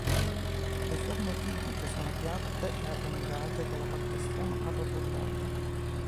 Le forme tipiche sono piatte e allungate con la parte estrema arrotondata.